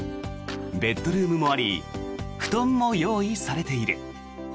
ベッドルームもあり布団も用意されている。